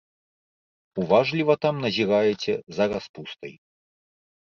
Уважліва там назіраеце за распустай.